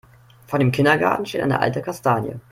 Vor dem Kindergarten steht eine alte Kastanie.